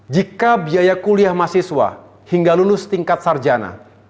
jika biaya kuliah mahasiswa hingga lulus tingkat sarjana